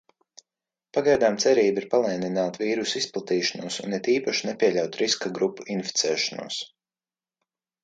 Pagaidām cerība ir palēnināt vīrusa izplatīšanos un it īpaši nepieļaut riska grupu inficēšanos.